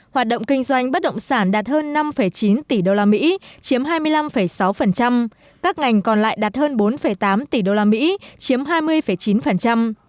hoạt động kinh doanh bất động sản đạt hơn năm chín tỷ usd chiếm hai mươi năm sáu các ngành còn lại đạt hơn bốn tám tỷ usd chiếm hai mươi chín